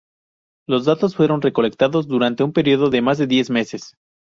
Los datos fueron recolectados durante un periodo de más de diez meses.